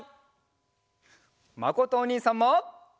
まことおにいさんも。